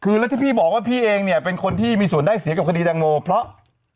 คือแล้วที่พี่บอกว่าพี่เองเนี่ยเป็นคนที่มีส่วนได้เสียกับคดีแตงโมเพราะ